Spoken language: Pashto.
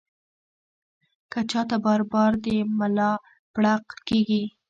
کۀ چاته بار بار د ملا پړق کيږي